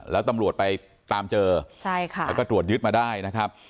แล้วตำรวจไปตามเจอใช่ค่ะแล้วก็ตรวจยึดมาได้นะครับ